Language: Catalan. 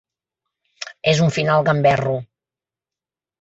És un final gamberro.